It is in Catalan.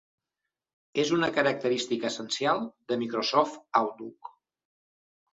És una característica essencial de Microsoft Outlook.